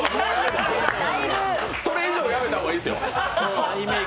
それ以上はやめた方がいいですよ！